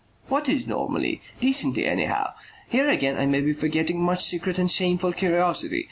"What is normally? Decently, anyhow. Here again I may be forgetting much secret and shameful curiosity.